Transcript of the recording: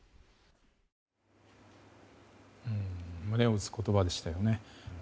胸を打つ言葉でしたよね。